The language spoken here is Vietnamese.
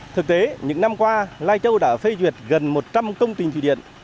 thực tế những năm qua lai châu đã phê duyệt gần một trăm linh công trình thủy điện